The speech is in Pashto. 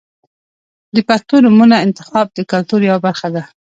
• د پښتو نومونو انتخاب د کلتور یوه برخه ده.